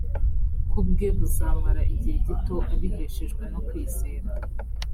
ku bwe buzamara igihe gito abiheshejwe no kwizera